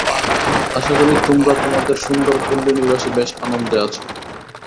আশা করি, তোমরা তোমাদের সুন্দর পল্লীনিবাসে বেশ আনন্দে আছ।